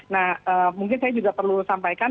nah mungkin saya juga perlu sampaikan